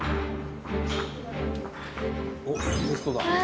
おっテストだ！